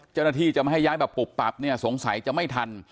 เจ้าหน้าที่จะไม่ให้ย้ายแบบปุบปับเนี่ยสงสัยจะไม่ทัน